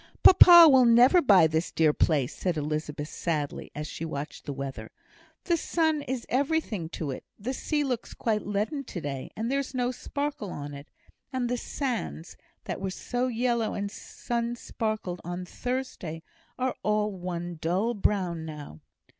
"Papa will never buy this dear place," said Elizabeth, sadly, as she watched the weather. "The sun is everything to it. The sea looks quite leaden to day, and there is no sparkle on it. And the sands, that were so yellow and sun speckled on Thursday, are all one dull brown now."